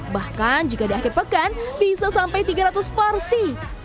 bahkan jika di akhir pekan bisa sampai tiga ratus porsi